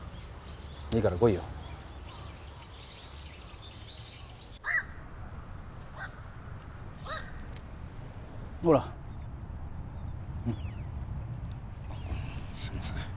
いいから来いよほらすいません